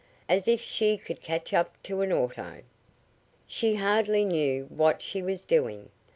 As if she could catch up to an auto! She hardly knew what she was doing.